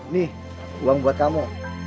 nih uang buat kamu